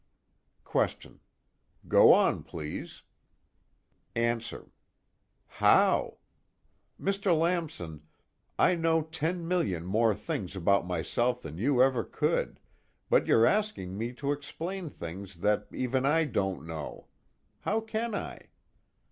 QUESTION: Go on, please. ANSWER: How? Mr. Lamson, I know ten million more things about myself than you ever could, but you're asking me to explain things that even I don't know. How can I?